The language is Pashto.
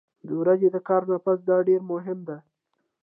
د ورځې د کار نه پس دا ډېره مهمه ده